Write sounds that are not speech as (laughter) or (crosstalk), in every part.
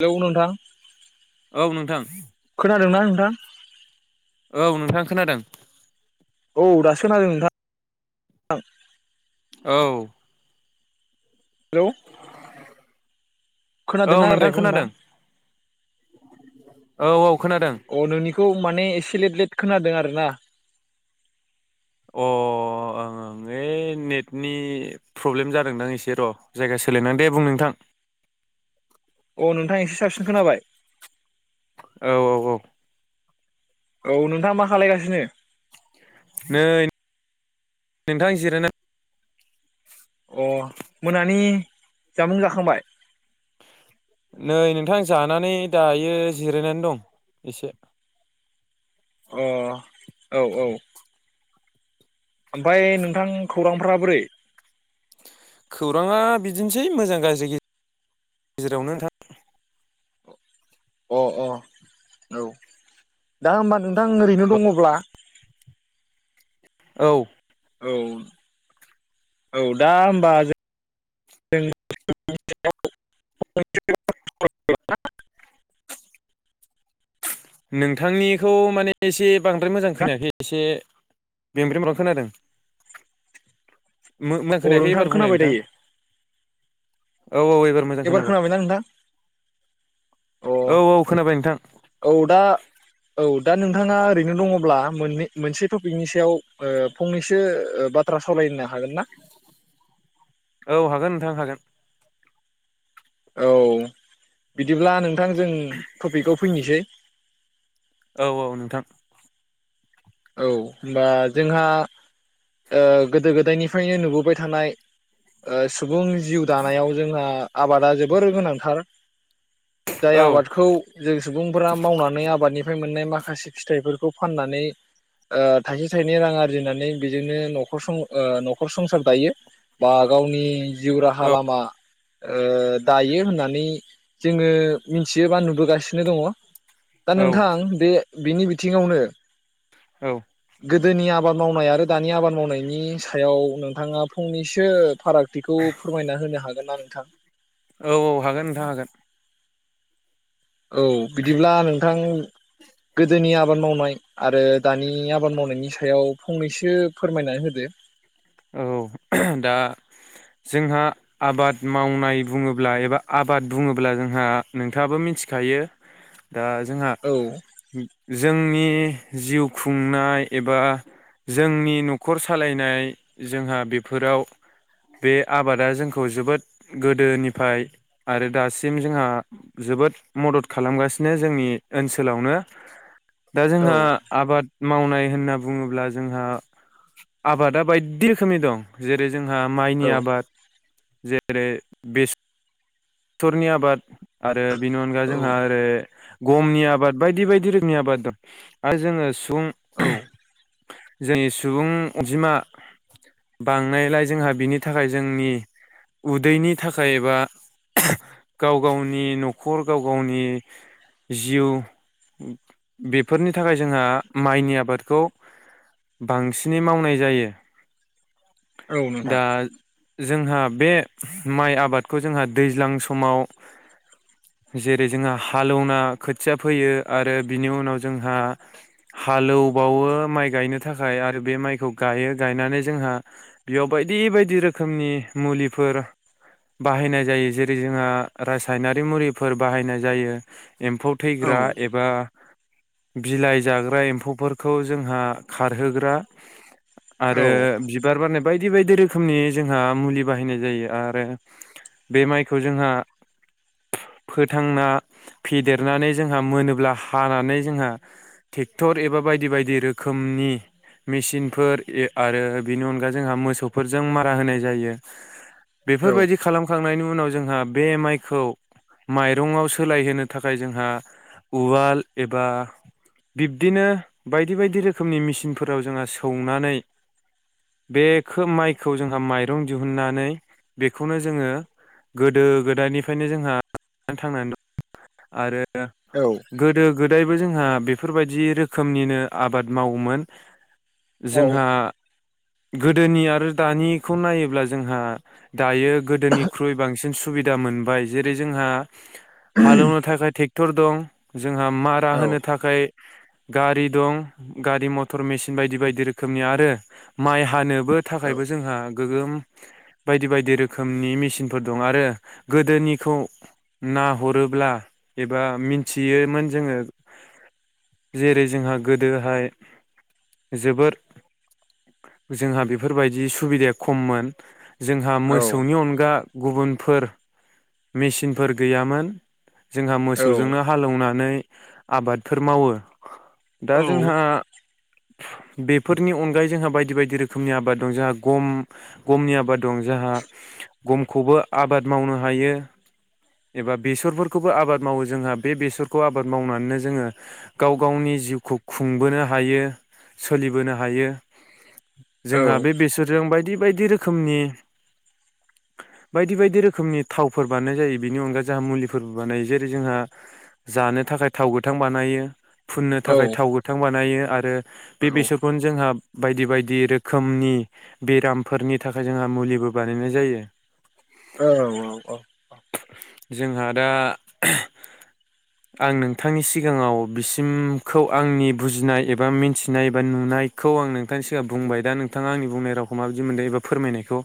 Hello नोंथां औ नोंथां। खोनादोंना नोंथां? औ नोंथां खोनादों। औ दासो खोनादों नोंथां। औ। हेलौ। औ खोनादोंना आं रालायनायखौ नोंथां? खोनादों औ-औ। खोनादों। खौ माने एसे लेट-लेट खोनादों आरोना। अ ओं ओं ओइ नेटनि प्रब्लेम जादोंदां एसे र' जायगा सोलायनां दे बुं नोंथां। अ नोंथां एसे साबसिन खोनाबाय औ औ औ औ नोंथाङा मा खालायगासिनो? नै नोंथां जिरायना अ मोनानि जामुं जाखांबाय? नै नोंथां जानानै दायो जिरायनानै दं एसे। अ औ औ ओमफाय नोंथां खौरांफोरा बोरै? खौराङा बिदिनोसै मोजां गाज्रि गेजेरावनो नोंथां। अ अ औ दा होमबा नोंथां ओरैनो दंङब्ला। औ औ औ दा होमबा जों (unintelligible) नोंथांनिखौ माने एसे बांद्राय मोजां खोनायाखै एसे ब्रें ब्रें ब्रां ब्रां खोनादों। मो मो अ खोनायाखै नोंथां एबार बुंलाय खोनाबाय नोंथां। दायो औ औ एबार मोजां खोनाबाय खोनाबायना नोंथां औ अ औ खोनाबाय नोंथां। औ दा औ दा नोंथाङा ओरैनो दङब्ला मोनै मोनसे ओ टपिकनि सायाव फंनैसो बाथ्रा सावरायनो हागोन ना? औ हागोन नोंथां हागोन औ बिदिब्ला नों थां जों टपिकआव फैनोसै। औ औ नोंथां औ होमबा जोंहा ओ गोदो गोदायनिफ्रायनो नुबोबाय थानाय ओ सु बुं जिउ दानायाव जोंहा आबादा जोबोर गोनांथार। जाय औ आबादखौ जों सुबुंफोरा मावनानै आबादनि फ्राय मोननाय माखासे फिथाइफोरखौ फाननानै ओ थाइसे थाइनै रां आरजिनानै बेजोंनो न'खर न'खर ओ संसार दायो बा गावनि जिउ राहा औ लामा ओ दायो होननानै जोङो मिथियोबा नुबोगासिनो दङ। दा औ नोंथां बे बिनि बिथिङावनो औ गोदोनि आबाद मावनाय आरो दानि आबाद मावनायनि सायाव नोंथाङा फंनैसो फारागथिखौ फोरमायना होनो हागोना? थां औ औ हागोन नोंथां हागोन औ बिदिब्ला नोंथां गोदोनि आबाद मावनाय आरो दानि आबाद मावनायनि सायाव फंनैसो फोरमायना होदो। औ दा जोंहा आबाद मावनाय बुङोब्ला एबा आबाद बुङोब्ला जोंहा नोंथाङाबो मिथिखायो। दा जोंहा औ जोंनि जिउ खुंनाय एबा जोंनि न'खर सालायनाय जोंहा बेफोराव बे आबादा जोंखौ जोबोद गोदोनिफाय आरो दासिम जोंहा जोबोद मदद खालामगासिनो जोंनि ओनसोलावनो। दा औ जोंहा आबाद मावनाय होनना बुङोब्ला जोंहा आबादा बाय दि रोखोमनि दं जेरै जोंहा माइनि औ आबाद। जेरै बेस सरनि आबाद। आरो बेनि अनगा औ जोंहा ओरै गमनि आबाद बायदि बायदि रोखोमनि आबाद दं आरो जोङो औ (unintelligible) जोंनि सुबुं अजिमा बांनायलाय जोंहा बिनि थाखाय जोंनि उदैनि थाखाय एबा गाव गावनि न'खर गाव गावनि जिउ बेफोरनि थाखाय जोंहा माइनि आबादखौ बांसिनै मावनाय जायो। औ दा नोंथां। जोंहा बे माइ आबादखौ जोंहा दैज्लां समाव जेरै जोंहा हालौना खोथिया फोयो आरो बिनि उनाव जोंहा हालौबावो माइ गायनो थाखाय आरो बे माइखौ गायो गायनानै जोंहा बेयाव बायदि बायदि रोखोमनि मुलिफोर बाहायनाय जायो। जेरै जोंहा रासायनारि मुलिफोर बाहायनाय जायो। एम्फौ औ थैग्रा एबा बिलाइ जाग्रा एम्फौफोरखौ जोंहा खारहोग्रा औ आरो बिबार बानाय बायदि बायदि रोखोमनि जोंहा मुलि बाहायनाय जायो आरो बे माइखौ जोंहा फोथांना फेदेरनानै जोंहा मोनोब्ला हानानै जोंहा टेक्टर एबा बायदि बायदि रोखोमनि मेसिनफोर आरो बेनि अनगा जोंहा मोसौफोरजों मारा होनाय जायो। औ बेफोरबायदि खालाम नायनि उनाव जोंहा बे माइखौ माइरंआव सोलायहोनो थाखाय जोंहा उवाल एबा बिब्दिनो बायदि बायदि रोखोमनि मेसिनफोराव जोंहा सौनानै बे माइखौ जोंहा माइरं दिहुननानै बेखौनो जोङो गोदो गोदायनिफ्रायनो जोंहा थांनानै दं आरो औ गोदो गोदायबो जोंहा बेफोरबायदि रोखोमनिनो आबाद मावोमोन। जोंहा गोदोनि आरो दानिखौ नायोब्ला जोंहा दायो गोदोनि सिन सुबिदा मोनबाय जेरै जोंहा हालौनो थाखाय टे फोर दं। जोंहा मारा औ होनो थाखाय गारि दं गारि मथर मेसिन बायदि बायदि रोखोमनि आरो माइ हानो बो थाखायबो औ जोंहा गोगोम बायदि बायदि रोखोमनि मिस इनफोर दं आरो गोदोनिखौ नाहरोब्ला एबा मिथियोमोन जोङो जेरै जोंहा गोदोहाय जोबोर जोंहा बेफोरबायदि सुबिदाया खममोन जोंहा औ मोसौनि अनगा गुबुनफोर मेचिनफोर गैयामोन जोंहा औ मोसौजोंनो हालौवनानै आबादफोर मावो दा जोंहा बेफोरनि अनगायै जोंहा बायदि बायदि रोखोमनि आबाद दं जोंहा गम-गमनि आबाद दं जोंहा गम खौबो आबाद मावनो हायो एबा बेसरफोरखौबो आबाद मावो जोंहा बे बेसरखौ आबाद मावनानैनो जोङो गाव गावनि जिउखौ खुंबोनो हायो सोलिबोनो हायो। औ जोंहा बे बेसरजों बाय दि बायदि रोखोमनि बायदि बायदि रोखोमनि थावफोर बानायनाय जायो बेनि अनगा जोंहा मुलिफोरबो बानायो जेरै जोंहा जानो थाखाय थाव गोथां बानायो फुननो थाखाय थाव गोथां बानायो आरो बे औ औ बेसरखौनो जोंहाब बायदि बायदि रोखोमनि बेरामफोरनि थाखाय जोंहा मुलिबो बानायनाय जायो। औ औ औ। जोंहा दा आं नोंथांनि सिगाङाव बिसिमखौ आंनि बुजिनाय एबा मिथिनाय एबा नुनायखौ आं नोंथांनि सिगां बुंबाय दा नोंथाङा आंनि बुंनाय रावखौ माबायदि मोनदों एबा फोरमायनायखौ।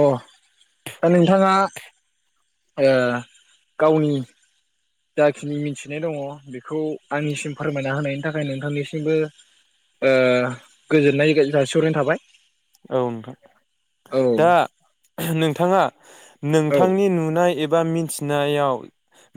अ दा नोंथाङा ओ गावनि जाखिनि मिथिनाय दङ बेखौ आंनिसिम फोरमायना होनायनि थाखाय नोंथांनिसिमबो ओ गोजोननाय जासिहैनाय थाबाय। औ‌ नोंथां। औ दा नोंथाङा - औ नोंथांनि नुनाय एब बा मिथिनायाव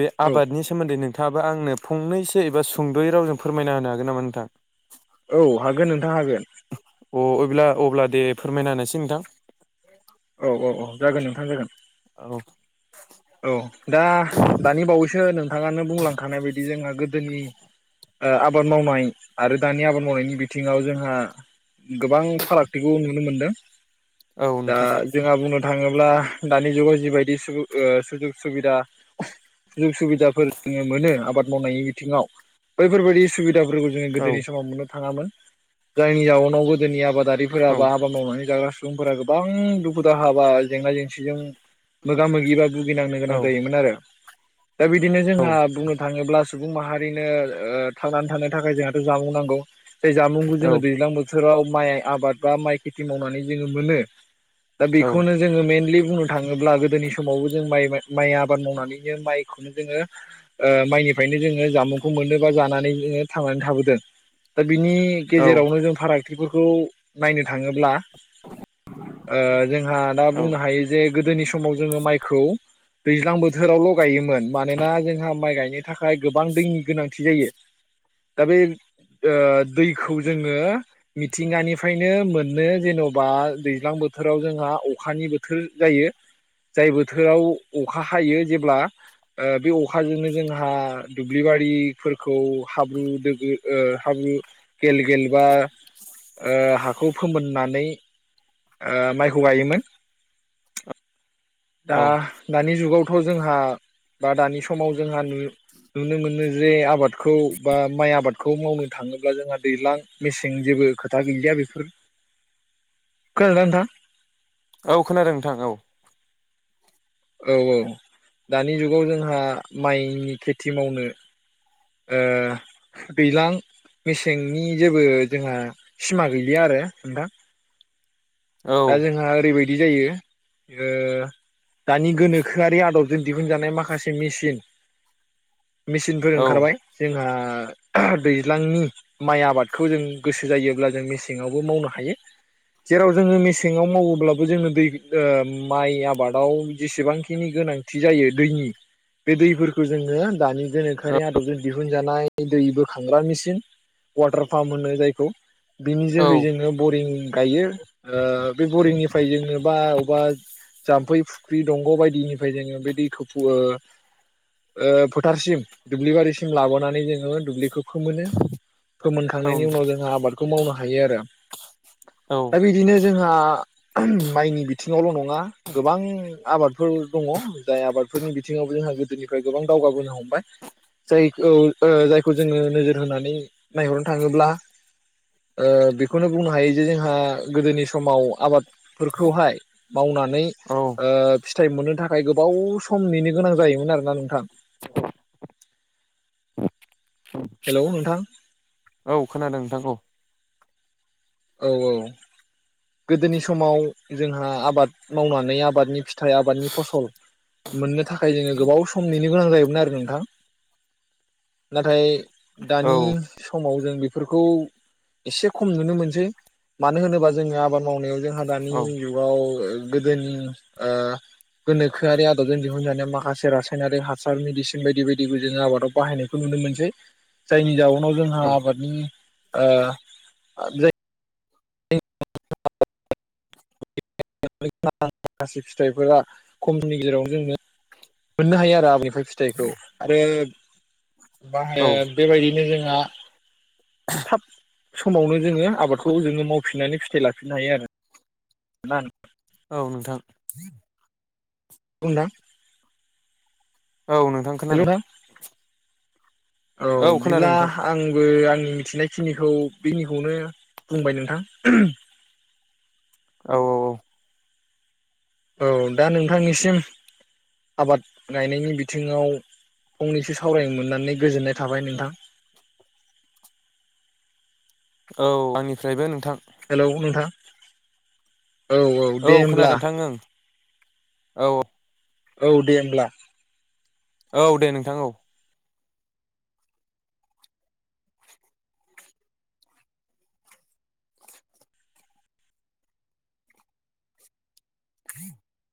बे औ आबादनि सोमोन्दै नों थाबा आंनो फंनैसो एबा सुंद'यै रावजों फोरमायना होनो हागोन नामा? नोंथां औ हागोन नोंथाङ हागोन अ अब्ला अब्ला दे फोरमायना होनोसै नोंथां औ औ औ जागोन नोंथां जागोन औ औ दा दानि बावैसो नोंथाङानो बुंलांखानाय बायदि जोंहा गोदोनि आबाद मावनाय आरो दानि आबाद मावनायनि बिथिङाव जोंहा गोबां फारागथिखौ नुनो मोनदों औ दा नोंथां जोंहा बुंनोद थाङोब्ला दानि जुगाव जिबायदि सुबु ओ सुजुग सुबुबिदा जुग सुबिदाफोर मोनो आबाद मावनायनि बिथिङाव बैफोरबायदि सुबिद (unintelligible) जोङो औ गोदोनि समाव मोनो थाङामोन जायनि जाउनाव गोदोनि आबाद आबादारिफोरा औ बा हाबाद मावनानै जाग्रा सुबुंफोरा गोबां दुखु दाहा बा जेंना जेंसिजों मोगा मोगिबा भुगिनांनो गोनां औ जायोमोन आरो दा बिदिनो औ जोंहा बुंनो थाङोब्ला सुबुं माहारिनो ओ थांनानै थानो थाखाय जोंहाथ' जामुं नांगौ बे जामुंखौ औ जोङो दैलांबो बोथो बोथोराव माइ आबाद बा माइ खेथि मावनानै जोङो मोनो दा बेखौनो जोङो मइेनलि बुंनो थाङोब्ला गोदोनि समावबो जों माय आबाद मावनानैनो माइखौनो जोङो ओ माइनिफ्रायनो जोङो जामुंखौ मोननो बा जानानै जोंङो थांनानै थाबोदों बिनि औ गेजेरावनो जों फाराग फोरखौ नायनो थाङोब्ला ओ जोंहा दा औ बुंनो हायो जे गोदोनि समाव जोङो माइ खौ दैज्लां बोथोरावल' गायोमोन मानोना जोंहा माइ गाय बेनि थाखाय गोबां दैनि गोनांथि जायो दा बे ओ दैखौ जोङो मिथिंगानिफ्रायनो मोननो जेनबा दैज्लां बोथोराव जोंहा अखानि बोथोर जायो जायबो बोथोराव अखा हायो जेब्ला ओ बे अखाजोंनो जोंहा दुब्लिबारिफोरखौ हाब्रु दैहाब्रु ओ हाब्रु गेल गेलबा ओ हाखौ फोमोननानै ओ माइखौ गायोमोन दा औ दानि जुगावथ' जोंहा बा दानि समाव जोंहा नु-नुनो मोनो जे आबादखौ बा माइ आबादखौ मावनो थाङोब्ला जोंहा दैज्लां मेसें जेबो खोथा गैलिया बेफोर खोनादों ना नोंथां औ खोनादों नोंथां औ औ औ दानि जुगाव जोंहा माइनि खेथि मावनो ओ दैलां मेसेंनि जेबो जोंहा सिमा गैलिया आरो नोंथां औ दा जोंहा आरैबाय बि जायो ओ दानि गोनोखोआरि आदबजों दिहुनजानाय माखासे मेसिन मेसिनफोर औ ओंखारबाय जोंहा ओ दैज्लांनि माइ आबादखौ जों गोसो जायोब्ला जों मेसेङावबो मावनो हायो जेराव जोङो मेसे सेङाव मावोब्लाबो जोंनो दै माइ आबादाव जेसेबांखिनि गोनांथि जायो दैनि बे दैफोरखौ जोङो दानि गोनोखोआरि आदबजों दिहुनजानाय दै बो खांग्रा मेसिन वाटार पाम्प होनो जायखौ बिनि औ जोहै जोङो बरिं गायो बे बरिंनिफ्राय जोङो बा अबेबा जाम्फै फुख्रि दंग' बायदिनिफ्राय जोङो बे दैखौ ओ फोथारसिम दुब्लि बारिसिम लाबोनानै जोङो दुब्लिखौ। फोमोनो फोमोनखांनायनि उनाव जोंहा आबादखौ मावनो हायो आरो। दा बिदिनो जों आ माइनि बिथिङावल' नङा ना गोबां आबादफोर दङ जाय आबादफोरनि बिथिङावबो जोंहा गोदोनिफ्राय गोबां दावगाबोनो हमबाय जायखौ ओ जायखौ जोङो नोजोर होनानै नायहरनो थाङोब्ला ओ बेखौनो बुंनो हायो जे जोंहा गोदोनि सम समाव आबादफोरखौहाय मावनानै ओ फिथाइ मोननो थाखाय गोबाव सम नेनो गोनां जायोमोन आरोना नोंथां। हेलौ नोंथां (unintelligible) औ खोनादों नोंथां औ। औ औ गोदोनि समाव जोंहा आबाद मावनानै आबादनि फिथाइ आबादनि फसल मोननो थाखा गोबाव समनि नेनो गोनां जायोमोन आरो नोंथां नाथाय औ दानि समाव जों बेफोरखौ एसे खम नुनो मोन मानो होनोबा जोङो आबाद मावनायाव जोंहा दानि औ जुगाव गोदोनि ओ गोनोखोआरि आदबजों दिहुनजानायाव माखासे रासायनारि हासार मेदिसिन बायदि बायदिखौ जोङो आबादाव बाहायनायखौ नुनो मोनसै जायनि जाउ खौ जोंहा औ आबादनि ओ आ जाय माखासे फिथाइफोरा खमनि गेजेरावनो जोंनो मोननो हायो आरो आ फिथाइखौ आरो औ बाहाय बेबायदिनो जोंहा थाब समावनो जोङो आबादखौ जोङो मावफिननानै फिथाइ लाफिननो हायो आरो। (unintelligible) औ नोंथां बुं दां औ नोंथां खोनादों। औ खोनादों बिब्ला नोंथां आंबो आं आंनि मिथिनायखिनिखौ बेखिनिखौनो बुंबाय नोंथां। औ औ औ औ दा नोंथांनिसिम आबाद गायनायनि बिथिङाव फंनैसो सावरायनो मोननानै गोजोननाय थाबाय नोंथां। औ आंनिफ्रायबो नोंथां। हेलौ नोंथां औ औ दे होमब्ला खोनादों नोंथां ओं औ औ दे होमब्ला औ दे नोंथां औ (unintelligible)